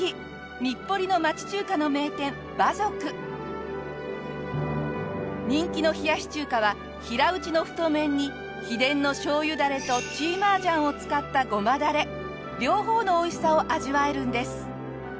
日暮里の人気の冷やし中華は平打ちの太麺に秘伝のしょうゆダレと芝麻醤を使ったゴマダレ両方の美味しさを味わえるんです。